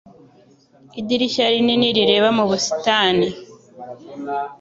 Idirishya rinini rireba mu busitani.